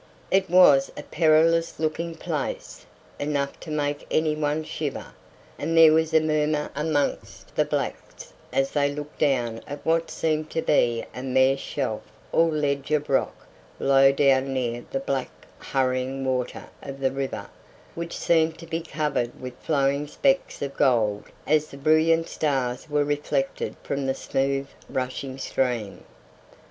It was a perilous looking place, enough to make anyone shiver, and there was a murmur amongst the blacks as they looked down at what seemed to be a mere shelf or ledge of rock low down near the black hurrying water of the river, which seemed to be covered with flowing specks of gold as the brilliant stars were reflected from the smooth rushing stream.